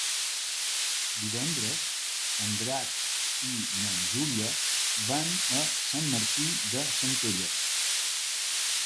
Divendres en Drac i na Júlia van a Sant Martí de Centelles.